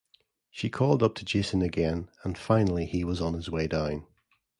She called up to Jason again and finally he was on his way down